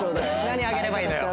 何あげればいいのよ